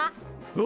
お！